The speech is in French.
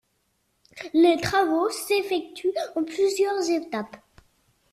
Les travaux s'effectuent en plusieurs étapes.